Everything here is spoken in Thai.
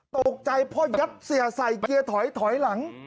ตกใจพ่อยัดเสียใส่เกียร์ถอยถอยหลัง